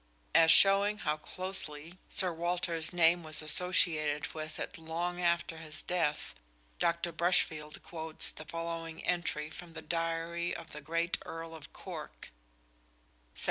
As showing how closely Sir Walter's name was associated with it long after his death, Dr. Brushfield quotes the following entry from the diary of the great Earl of Cork: "Sept.